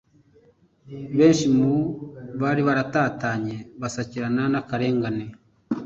Benshi mu bari baratatanye basakirana n'akarengane.